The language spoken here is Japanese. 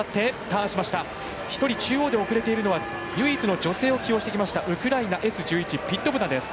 １人中央で遅れているのは唯一の女性を起用したウクライナＳ１１ピッドブナです。